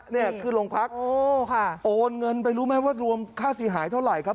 นี่คือโรงพักษณ์โอนเงินไปรวมค่าศรีหายเท่าไหร่ครับ